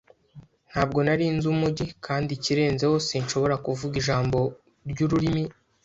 Ntabwo nari nzi umujyi, kandi ikirenzeho, sinshobora kuvuga ijambo ryururimi.